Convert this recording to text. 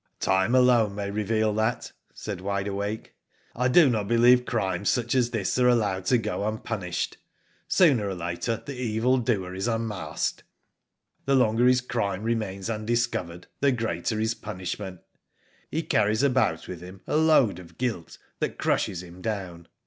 "Time alone may reveal that/' said Wide Awake. " I do not believe crimes such as this are allowed to go unpunished. Sooner or later the evil doer is unmasked. The longer his crime remains undiscovered, the greater his punishment. He carries about with him a load of guilt that crushes him down.